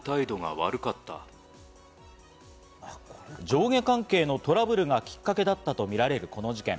上下関係のトラブルがきっかけだったとみられるこの事件。